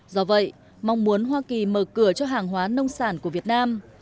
do vậy mong muốn hoa kỳ mở cửa cho hàng hóa nông sản của việt nam